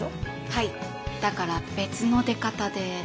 はいだから別の出方で。